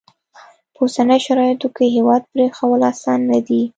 په اوسنیو شرایطو کې هیواد پرېښوول اسانه نه دي.